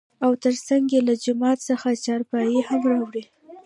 او تر څنګ يې له جومات څخه چارپايي هم راوړى .